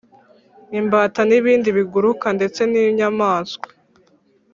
Imbata n ibindi biguruka ndetse n inyamaswa